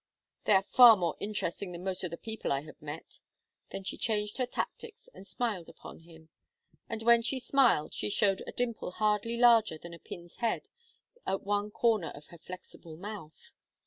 "They are far more interesting than most of the people I have met." Then she changed her tactics and smiled upon him; and when she smiled she showed a dimple hardly larger than a pin's head at one corner of her flexible mouth.